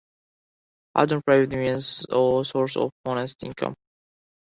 Had no private means or source of honest income.